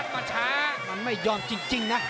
มันไม่ยอมจริงนะ